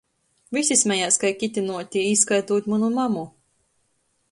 Vysi smejās kai kitinuoti, īskaitūt munu mamu.